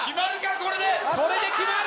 これで決まる！